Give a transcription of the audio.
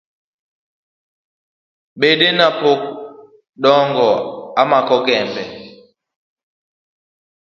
Bedena pod dongo amako gembe.